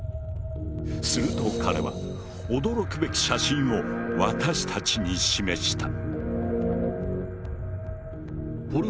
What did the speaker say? すると彼は驚くべき写真を私たちに示した。